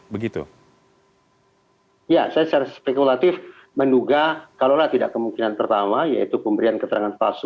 saya secara spekulatif menduga kalaulah tidak kemungkinan pertama yaitu pemberian keterangan palsu